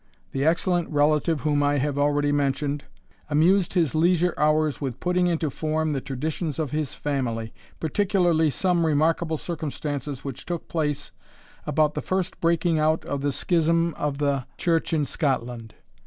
The excellent relative whom I have already mentioned, amused his leisure hours with putting into form the traditions of his family, particularly some remarkable circumstances which took place about the first breaking out of the schism of the church in Scotland.